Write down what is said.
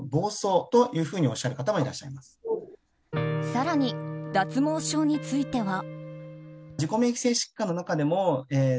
更に、脱毛症については。